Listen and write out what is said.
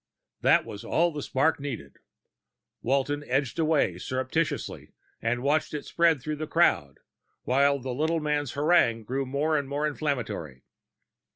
That was all the spark needed. Walton edged away surreptitiously and watched it spread through the crowd, while the little man's harangue grew more and more inflammatory.